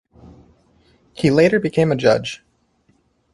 He later became a judge.